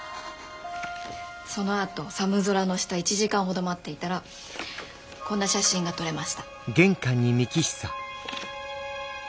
そのあと寒空の下１時間ほど待っていたらこんな写真が撮れました。